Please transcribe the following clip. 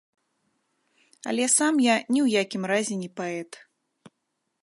Але сам я ні ў якім разе не паэт.